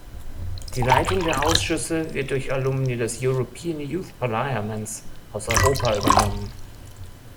Die Leitung der Ausschüsse wird durch Alumni des European Youth Parliaments aus Europa übernommen.